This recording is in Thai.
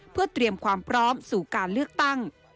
เพื่อเตรียมความพร้อมสู่การเลือกตั้ง